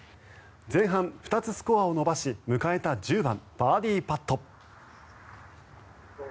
前半２つスコアを伸ばし迎えた１０番バーディーパット。